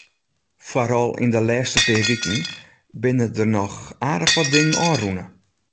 Foaral yn de lêste pear wiken binne der noch aardich wat dingen ôfrûne.